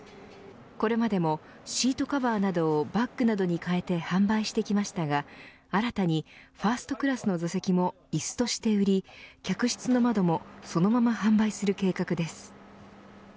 これまでもシートカバーなどをバッグなどに変えて販売してきましたが新たにファーストクラスの座席も椅子として売り客室の窓もそのまま販売する計画です。